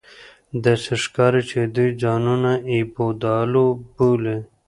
داسې ښکاري چې دوی ځانونه اېبودالو بولي